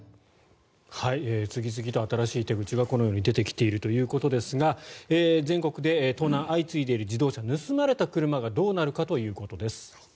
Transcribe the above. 次々と新しい手口がこのように出てきているということですが全国で盗難が相次いでいる自動車盗まれた車がどうなるかということです。